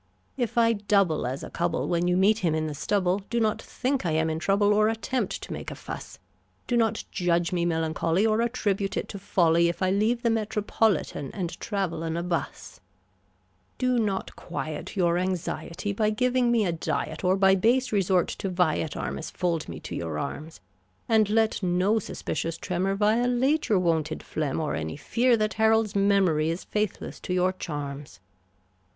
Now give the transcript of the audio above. If I double as a cub'll when you meet him in the stubble, Do not think I am in trouble or at tempt to make a fuss ; Do not judge me melancholy or at tribute it to folly If I leave the Metropolitan and travel 'n a bus Do not quiet your anxiety by giving me a diet, Or by base resort to vi et armis fold me to your arms, And let no suspicious tremor violate your wonted phlegm or Any fear that Harold's memory is faithless to your charms.